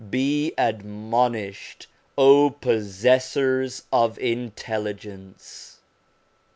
Be admonished, possessors of intelligence